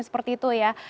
seperti itu ya